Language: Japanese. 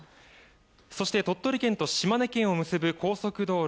そして、鳥取県と島根県を結ぶ高速道路